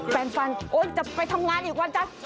แฟนฟันโอ๊ยจะไปทำงานอีกวันจ๊ะ